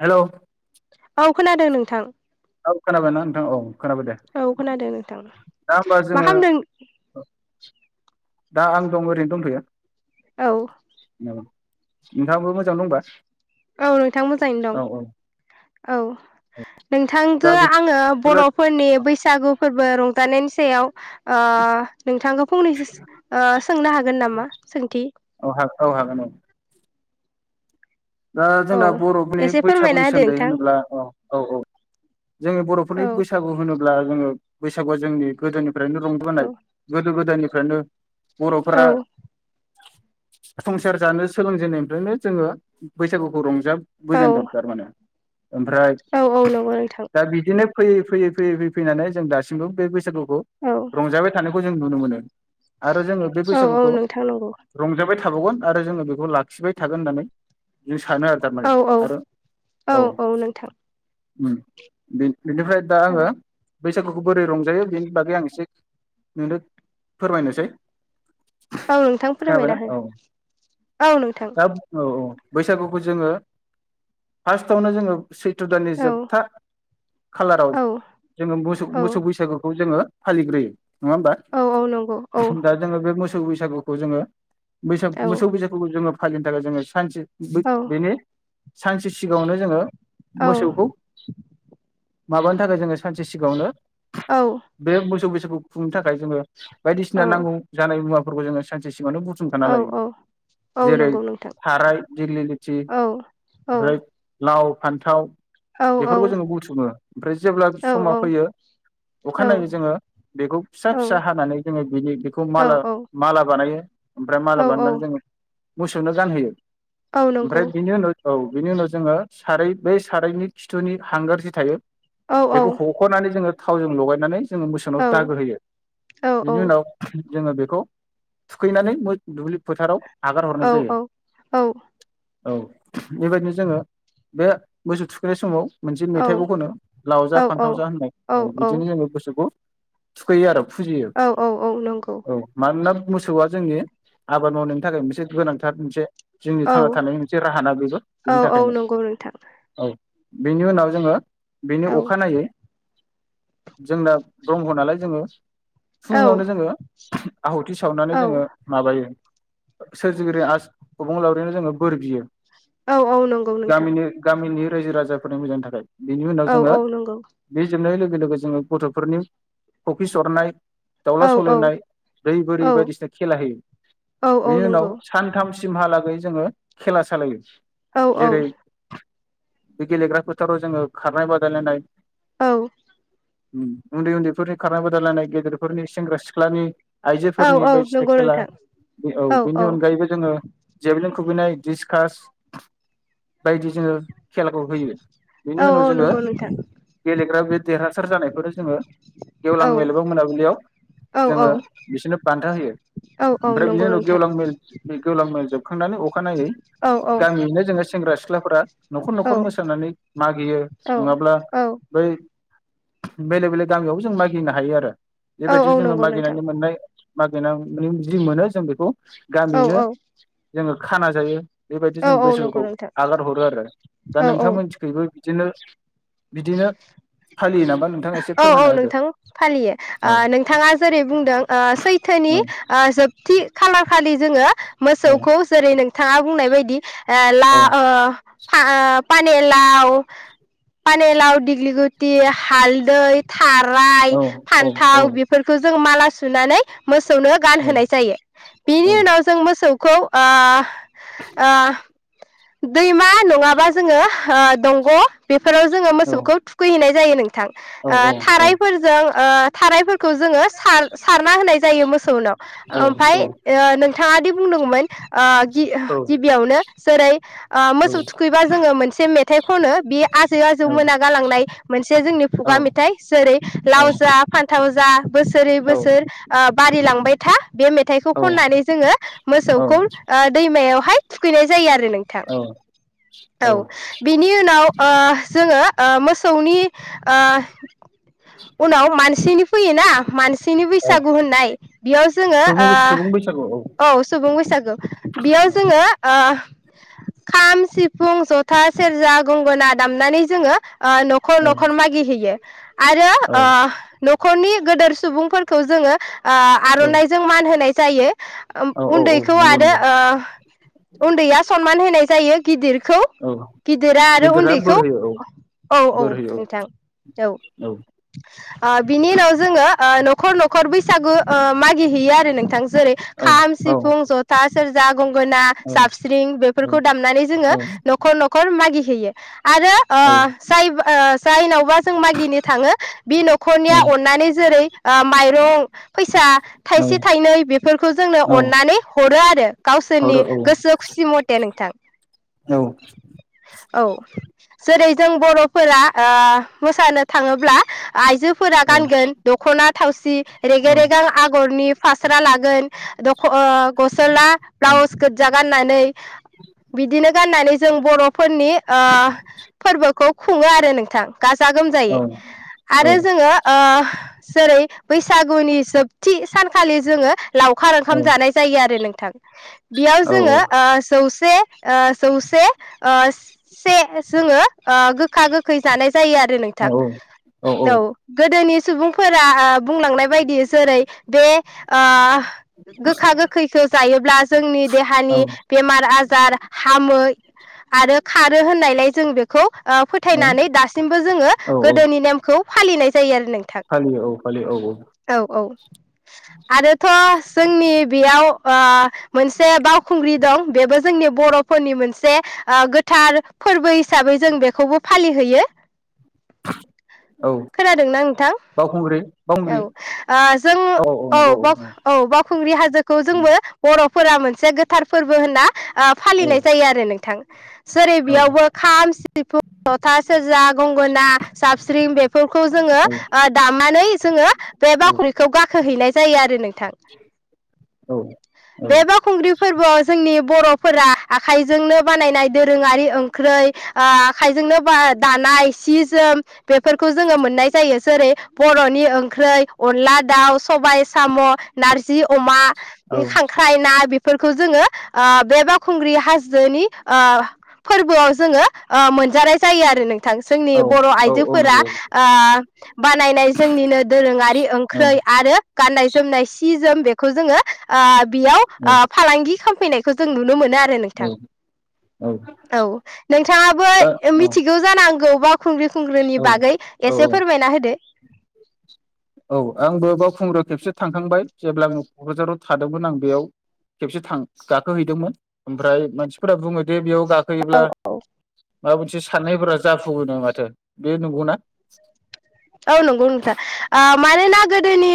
Hello औ खोनादों नोंथां औ खोनाबायनाा नोंथां औ खोनाबाय दे औ खोनादों नोंथां दा होनबा मा जोङो खालामदों दा आं दं ओरैनो दंथयो औ नोंथांआबो मोजां दंबा औ नोंथां मोजाङैनो दं औ औ औ नोंथांजो दा आङो बिदिब्ला बर'फोरनि बैसागु फोरबो बो रंजानायनि सायाव ओ नोंथांखौ फंनैसो सोंनो हागोन नामा सोंथि औ औ हागोन औ दा औ जोंना बर'फोरनि एसे फोरमायना बैसागुनि होदो सोमोनदै नोंथां होनोब्ला अ औ औ जोंनि बर'फोरनि औ बैसागु होनोब ब्ला जोङो बैसागुआ जोंनि गोदोनि फ्रायनो रंबोनाय गोदो गोदायनि नो औ बर'फोरा संसार जानो सोलोंजेननायनिफ्रायनो जोङो बैसागुखौ रंजाब औ बोजेनदों थार माने ओमफ्राय औ औ नंगौ नोंथां दा बिदिनो फैयै फैयैयैयैनानै जों दासिमबो बे बैसागु खौ औ रंजाबाय थानो जों नुनो मोनो आरो जोङो बे औ औ बैसागुखौ नोंथां नंगौ रंजाबाय थायो थाबावगोन आरो जोङो बेखौ लाखिबाय थागोन होननानै [unintelligible] थानो आरो थारमाने औ औ आरो औ उम बे बिनिफ्राय दा औ आङो बैसागुखौ बोरै रंजायो बेनि बागै आं एसे नोंनो फोरमायनोसै औ नोंथां खोनाबायना फोरमायना हो औ औ नोंथां दा औ औ बैसागुखौ जोङो फार्स्टआवनो जोङो सैथ्र' दाननि औ जोबथा खालाराव औ जोङो मोसौ औ मोसौ बैसागुखौ जोङो फालिग्रोयो नङा होमबा औ औ नंगौ औ दा जोङो बे मोसौ फो बैसागुखौ जोङो बैसाग औ मोसौ बैसागु जोङो फालिनो थाखाय जोङो सानसे औ बेनो सानसे सिगाङावनो जोङो औ मोसौखौ माबानो थाखाय जोङो सानसे सिगाङावनो बे मोसौ बैसा खौ खुंनो थाखाय जोङो बायदिसिना औ नांगौ जानाय मुवा फोरखौ जोङो सानसे सिगां सिङावनो बुथुमखाना औ लायो औ औ जेरै नंगौ नोंथां थाराय दिग्लि लिथि औ औ ओमफ्राय लाव फान्थाव औ बेफोरखौ औ जोङो बुथुमो ओमफ्राय जेब्ला औ समाव औ फैयो औ अखानायै जोङो बेखौ फिसा फिसा हानानै जोङो बिनि बेखौ औ माला माला बानायो। ओमफ्राय औ माला औ बानायनानै जोङो मोसौनो गानहोयो। औ नंगौ ओमफ्राय बेनि उनाव औ। बिनि उनाव जोङो सारै बै सारायनि खिथुनि हांगार जि थायो। औ बेखौ हख'नानै जोङो थावजों लगायनानै जोङो औ मोसौनाव दागो होयो बेनि उनाव जोङो बेखौ थुखैनानै दुब्लि फोथाराव आगार हरनाय औ जायो औ औ। औ बेबायदिनो जोङो बे मोसौ थुखैनाय समाव मोनसे मेथाइखौ खनो लाव औ जा औ फान्थाव जा होननाय ओ बिदिनो जोङो गोसोखौ थुखैयो आरो। फुजियो नंगौ औ मानोना मोसौआ जोंनि आबाद मावनायनि थाखाय मोनसे गोनांथार मोनसे जोंनि औ थांना थानायनि मोनसे राहा ना बेबो औ बेनि औ थाखायनो नंगौ नोंथां औ। बेनि उनाव जोङो बेनि औ अखानायै जोंना ब्रह्म नालाय जोङो औ फुङावनो जोङो आहुथि सावनानै औ जोङो माबायो सोरजिगिरि आस अबं लावरिनि जोङो बोर बियो। औ औ नंगौ नोंथां। गामिनि गामिनि रायजो राजाफोरनि मोजांनि थाखाय। बेनि उनाव औ जोङो औ नंगौ बे जोबनाय लोग लोगो लोगो जोङो गथ'फोरनि कफिस हरनाय औ दाउला सोवलायनाय दै बोरि औ बायदिसिना खेला होयो। औ औ बेनि नंगौ उनाव सानथामसो जहालागै जोङो खेला सालायो औ जेरै बे गेलेग्रा फोथाराव जोङो खारनाय बादायलायनाय औ उम उन्दै उन्दैफोरनि खारनाय बादायलायनाय गेदेरफोरनि सेंग्रा-सिख्लानि औ आइजोफोरनि औ बायदिसिना नंगौ खेला नोंथां औ बेनि अनगायैबो जोङो बि खुबैनाय डिसकास बायदि जोङो खेलाखौ होयो औ बेनि उनाव जोङो नंगौ नोंथां गेलेग्रा बे देरहासार जानायफोरनो जोङो औ गेवलां मेल बा मोनाबिलियाव औ औ जोङो बिसोरनो बान्था होयो औ औ ओमफ्राय बिनि नंगौ उनाव नोंथां गेवलां मेल गेवलां मेल होखांनानै अखानायै औ औ गामियैनो जोङो सेंग्रा सिख्लाफोरा न'खर औ न'खर मोसानानै मागियो औ नङाब्ला औ बै बेलेग बेलेग गामियावबो जों मागिनो हायो आरो। औ औ बेबायदि जोङो नंगौ नोंथां मागिनानै मोननाय। मागिनानै जि मोनो जों बेखौ औ गामिनो औ जोङो खाना जायो। बेबायदि औ जों औ नंगौ बैसागुखौ नोंथां आगार हरो आरो दा औ औ नोंथांमोनथिखैबो इदिनो एसे औ औ फोरमायना होदो नोंथां फालियो ओ औ नोंथाङा जेरै बुंदों ओ सैथोनि औ ओ जोबथि। कालार खालि जोङो औ मोसौखौ जेरै नोंथाङा बुंनाय बायदि ला ओ फा पानि लाव पानि लावदो लिगलुति हालदै थाराय औ औ फान्थाव बेफोरखौ जों माला सुनानै मोसौनो औ गानहोनाय जायो औ बिनि उनाव जों मोसौखौ आ आ दैमा नङाबा जोङो ओ दंग' बेफोराव जोङो औ मोसौखौ थुखैहैनाय जायो नों थां‌ औ थारायफोरजों थारायफोरखौ जोङो सारना होनाय जायो मोसौनाव ओमफ्राय नोंथाङा दि बुंदोंमोन। गिबियावनो जेरै मोसौ थुखैबा जोङो मोनसे मेथाइ खनो बे आजै आजौ मोना गालांनाय मोनसे जोंनि खुगा मेथाइ जेरै लाव जा फान्थाव थाव जा बोसोरै औ बोसोर बारि लांबाय था बे मेथाइखौ खननानै जोङो औ मोसौखौ दैमायावहाय थुखैनाय जायो आरो नोंथां औ बिनि उनाव ओ जोङो ओ मोसौनि ओ उनाव मानसिनि फैयोना मानसि सिनि बैसागु होननाय बेयाव जोङो सुबुं सुबुं बैसागु औ सुबुं बैसागु बेयाव जोङो ओ खाम सिफुं सिफुं जथा सेरजा गंगोना दामनानै जोङो ओ न'खर औ न'खर मागिहैयो आरो औ ओ न'खरनि गोदोर सुबुंफोरखौ जोङो ओ औ आर'नाइजों मान होनाय जायो औ औ उन्दैखौ नंगौ आरो नंगौ उन्दैया सनमान होनाय जायो गिदिर खौ औ गिदिरा आरो गिदिरा उन्दैखौ बोर होयो औ औ बोर होयो नोंथां औ बिनि उनाव जोङो नखर नखर बैसागु मागि हैयो आरो नोंथां जेरै औ खाम औ सिफुं जथा सेरजा गंगोना औ जाबस्रिं बेफोरखौ दामनानै जोङो औ नखर नखर मागि होैयो आरो ओ जाय ओ जायनावबा जों मागिनो थाङो बे नखरनिया अननानै जेरै माइरं फैसा औ थाइसे थाइनै बेफोरखौ जोंनो औ अननानै हरो आरो गावसोरनि हरो औ गोसो खुसि मथे नोंथां औ औ जेरै जों बर'फोरा ओ मोसानो थाङोब्ला आइजो फोरा औ गानगोन दखना थावसि रेग औ रेगां आगरनि फास स्रा लागोन दख गसला औ ब्लाउस गोजा गान नानै बिदिनो गाननानै जों बर' फोरनि ओ फोरबोखौ खुङो आरो नोंथां गाजा औ गोमजायै औ आरो जोङो ओ जेरै बैसागुनि जोबथि सानखालि जोङो लावखार ओंखाम जानाय जायो आरो नों बेयाव जोङो जौसे ओ जौसे ओ से जोङो ओ गोखा गोखै जानाय जायो आरो नोंथां औ गोदोनि सुबुंफोरा ओ बुंलांनाय बायदि जेरै बे ओ‌ गोखा गोखैखौ जायोब्ला जोंनि देहानि बेमार आजार हामो आरो खारो होननायलाय जों बेखौ ओ औ फोथायनानै दासिमबो जोङो औ औ गोदोनि नेमखौ फालिनाय जायो आरो नोंथां फालियो औ फालियो औ औ आरोथ जोंनि बेयाव ओ मोनसे बावखुंग्रि दं बेबो जोंनि बर'फोरनि मोनसे ओ गोथार फोरबो हिसाबै जों बेखौबो फालिहोयो औ खोनादोंना नोंथां बावखुंग्रि औ बावखुंग्रि ओ जों औ औ बावखुंग्रि हाजोखौ जोंबो बर' फोरा मोनसे गोथार फोरबो होनना ओ औ फालिनाय जायो आरो नों थां जेरै औ बेयावबो खाम सिफुं जथा सेरजा गंगोना जाबस्रिं बेफोरखौ जोङो औ ओ दामनानै जोङो बे औ बावख्रिखौ गाखोहैनाय जायो जायो आरो नों औ औ बे बावखुंग्रि फोरबोआव ज जोंनि बर'फोरा आखाइजोंनो बानायनाय दोरोङारि ओंख्रै ओ आखाइजोंनो दानाय सि जोम बेफोरखौ जोङो मोननाय जायो जेरै बर'नि ओंख्रै अनला दाउ सबाय साम' नारजि अमा औ खांख्राय ना फोरखौ जोङो ओ बे बावखुंग्रि हाजोनि ओ फोरबोआव जोङो ओ मोनजानाय जायो आरो आरो नोंथां जोंनि औ बर' औ औ आइजोफोरा नंगौ ओ बानायनाय जोंनिनो दोरोङारि औ ओंख्रै आरो गाननाय जोमनाय सि जोम बेखौ खौ जोङो आ बेयाव ओ फालांगि खालामफैनायखौ जों नुनो मोनो आरो नोंथां औ औ नोंथाङाबो दा औ मिथिगौ जानांगौ बा खुंग्रि खुंग्रिनि औ बागै औ एसे फोरमायना होदो औ आंबो बावखुंग्रियाव खेबसे थांखांबाय जेब्ला आं क'क्राझाराव थादोंमोन आं बेयाव खेबसे थां गाखोहैदोंमोन ओमफ्राय मानसिफोरा बुङो जे बेयाव गाखोयोब्ला औ ओ ओथ्रिसारनायफोरा जाफुङोनो माथो बेयो नंगौना औ नंगौ नोंथा ओ मानोना गोदोनि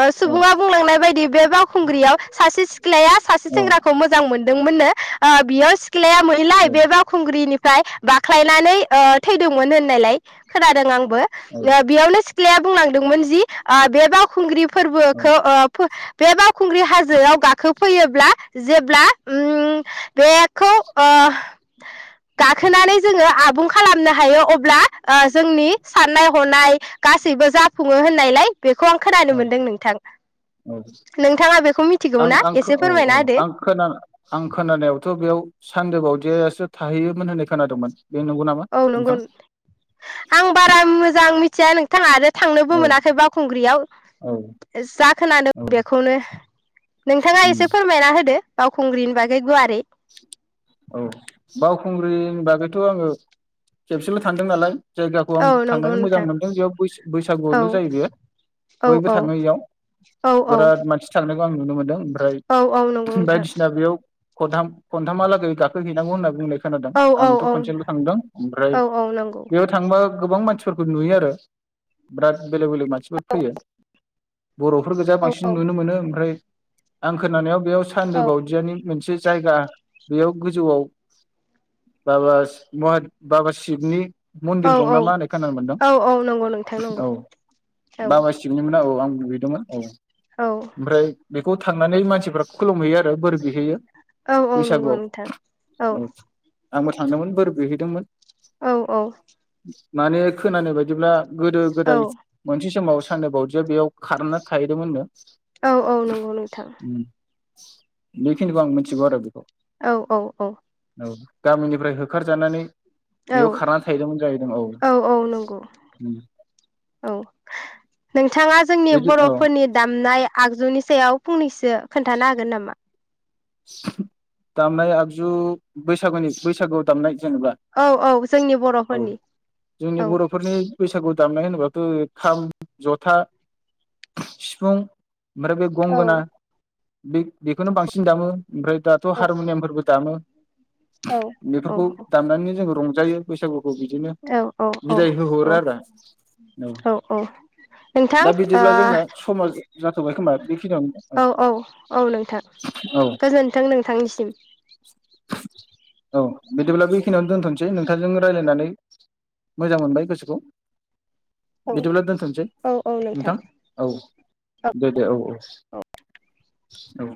ओ औ सुबुङा बुंलांनाय बायदि बे बावखुंग्रियाव सासे सिख्लाया सासे औ सेंग्राखौ मोजां मोन दोंमोन नो ओ बेयो सिख्लया औ मोनैलाय बे बावखुंग्रिनि ओमफ्राय बाख्लायनानै ओ थैदोंमोन होननायलाय खोनादों आंबो ओ औ बेयावनो सिख्लाया बुंलांदोंमोन जि बे बावखुंग्रि फोरबोखौ ओ बे बावखुंग्रि हाजोआव गाखोफैयोब्ला जेब्ला उम बे खौ ओ गाखोनानै जोङो आबुं खालामनो हायो अब्ला ओ जोंनि साननाय गासैबो जाफुङो होननायलाय बेखौ आं खोनानो औ मोनदों नोंथां औ नोंथाङा बेखौ आं मिथिगौना आं खो एसे औ औ फोरमायना होदो आं सानदोबावदियासो थाहैयोमोन होननाय खोनादोंमोन बे नंगौ नामा औ नंगौ नोंथां आं बारा मोजां मि थिया नोंथां आरो थांनोबो औ मोनाखै बावखुंग्रियाव औ जा खोनादों औ बेखौनो नोंथाङा उम एसे फोरमायना होदो बावखुंग्रिनि बागै गुवारै औ बावखुंग्रिनि बागैथ' आङो खेबसेल' थांदों नालाय जायगाखौ औ आं नंगौ थांनानै मोजां नोंथां मोनदों बेयाव बै औ बैसागुआवनो जायो बे औ बयबो औ थाङो इयाव औ औ बिराद मानसि थांनो बेखौ आं नुनो मोनदों ओमफ्राय औ औ नंगौ नोंथां खनथाम खनथामहालागै गाखौ हैनांगौ होनना बुंनाय खोनादों औ औ आंथ' औ खनसेल' थांदों ओमफ्राय औ औ नंगौ बेयाव थांबा गोबां मानसिफोरखौ नुयो आरो बिराद बेलेग बेलेग मानसिफोर फैयो बर'फोर गोजा औ बांसिन औ नुनो मोनो ओमफ्राय आं खोनानायाव बेयाव सान्दो औ बावदियानि मोनसे जायगा बेयाव गोजौआव ब बाबा शिबनि मन्दिर औ दं औ नामा होननाय खोनानो मोनदों औ औ नंगौ नोंथां नंगौ औ औ बाबा सिबनिमोन औ आं बे दङा औ औ ओमफ्राय बेखौ थांनानै मानसिफ्रा खुलुमहैयो आरो बोर बिहैयो औ औ नंगौ बैसागुआव नोंथां थां औ आंबो थांदोंमोन बोर बिहैदोंमोन औ औ माने खोनानाय बायदिब्ला गोदो औ गोदाय मोनसे समाव सान्दोबावदि बेयाव खारना थाहैदों होननो औ औ नंगौ नोंथां बेखिनिखौ आं मिथिगौ आरो बेखौ औ औ औ औ गामिनिफ्राय होखारजानानै औ बेयाव खारनानै थाहैदोंमोन जाहैदों औ औ नंगौ बिथाङा जोंनि बिदि औ बर'फोरनि दामनाय आगजौनि सायाव फंनैसो खोन्थानो हागोन नामा दामनाय आगजु बैसागुनि बैसागु दामनाय जेनेबा औ औ जोंनि औ बर'फोरनि जोंनि औ बर'फोरनि बैसागु दामनाय होनोबाथ' खाम जथा सिफुं ओमफ्राय बे औ गंगोना बे बेखौनो बांसिन दामो ओमफ्राय दाथ' औ हारमुनियामफोरबो दाम औ बेफोरखौ औ दामनानै जों रंजा जायो बैसागुखौ बिदिनो औ बिदाय होहरो औ आरो औ नोंथां दा बिदिब्ला जोंना समा जाथ'बाय खोमा बेखिनियावनो ओ औ औ औ नोंथां गोजोन्थों नोंथांनिसिम [inaudible] औ बिदिब्ला बेखिनियावनो दोनथ'नोसै नोंथांजों रायजलायनानै मोजां मोनबाय गोसोखौ औ बिदिब्ला दोनथ'सै औ औ नोंथां औ दे दे औ औ औ